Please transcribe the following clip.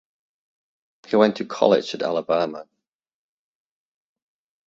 He went to college at Alabama.